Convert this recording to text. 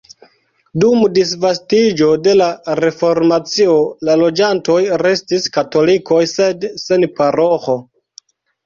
Dum disvastiĝo de la reformacio la loĝantoj restis katolikoj sed sen paroĥo.